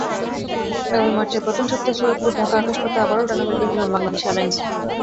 আগামী মার্চের প্রথম সপ্তাহে সৈয়দপুর-ঢাকা আকাশপথে আবারও ডানা মেলবে বিমান বাংলাদেশ এয়ারলাইনস।